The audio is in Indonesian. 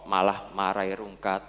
malah marai rungkat